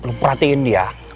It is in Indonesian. lo perhatiin dia